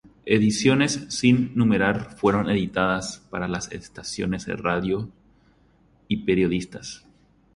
Ediciones sin numerar fueron editadas para las estaciones de radio y periodistas.